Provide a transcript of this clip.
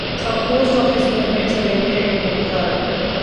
अब post office में भी चलेंगे एटीएम कार्ड